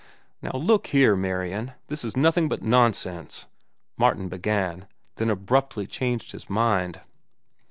"Now, look here, Marian, this is nothing but nonsense," Martin began; then abruptly changed his mind.